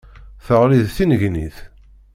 Teɣli d tinnegnit.